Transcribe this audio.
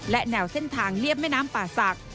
และแนวเส้นทางเรียบแม่น้ำป่าศักดิ